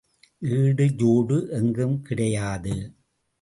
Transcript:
ஈடு ஜோடு எங்கும் கிடையாது.